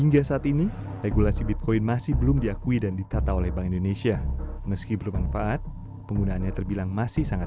jadi itu sebenarnya cuma rumor yang dibesar besarkan menurut saya